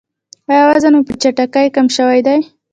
ایا وزن مو په چټکۍ کم شوی دی؟